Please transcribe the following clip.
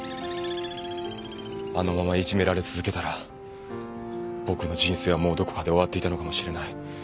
あのままいじめられ続けたら僕の人生はもうどこかで終わっていたのかもしれない。